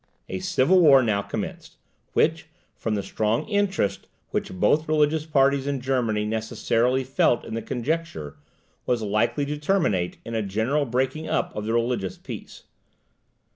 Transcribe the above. A civil war now commenced, which, from the strong interest which both religious parties in Germany necessarily felt in the conjuncture, was likely to terminate in a general breaking up of the religious peace.